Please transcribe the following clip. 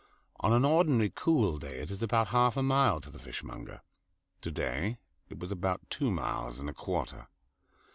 On an ordinary cool day it is about half a mile to the fishmonger; to day it was about two miles and a quarter.